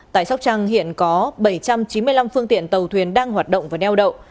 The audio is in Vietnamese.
tại sóc trăng hiện có bảy trăm chín mươi năm phương tiện tàu thuyền đang hoạt động và đeo đậu